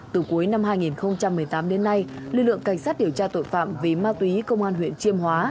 từ cuối năm hai nghìn một mươi tám đến nay lực lượng cảnh sát điều tra tội phạm về ma túy công an huyện chiêm hóa